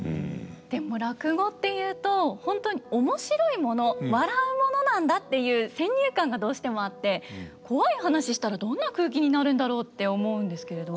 でも落語っていうと本当に面白いもの笑うものなんだっていう先入観がどうしてもあってコワい話したらどんな空気になるんだろうって思うんですけれど。